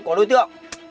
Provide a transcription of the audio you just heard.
của đối tượng